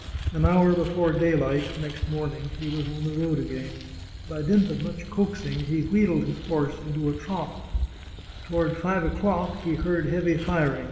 An hour before daylight next morning he was on the road agfain. By dint of much coaxing he wheedled his horse into a trot. Toward five o'clock he heard heavy firing.